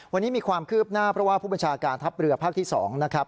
วันนี้มีความคืบหน้าเพราะว่าผู้บัญชาการทัพเรือภาคที่๒นะครับ